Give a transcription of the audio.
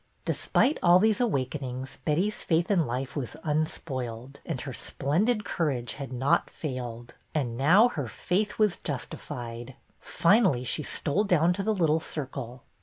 Despite all these awakenings, Betty's faith in life was unspoiled, and her splendid courage had not failed. And now her faith was justified. Finally she stole down to the little circle.